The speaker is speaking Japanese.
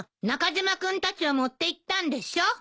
中島君たちは持っていったんでしょ？